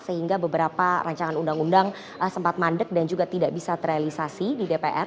sehingga beberapa rancangan undang undang sempat mandek dan juga tidak bisa terrealisasi di dpr